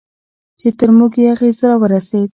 چې تر موږ یې اغېز راورسېد.